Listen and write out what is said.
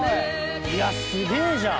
いやすげえじゃん。